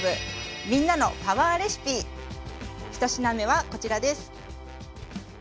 １品目はこちらです。